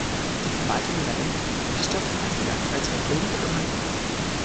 Die Verwaltung übernimmt die Stadt Eisenberg als erfüllende Gemeinde.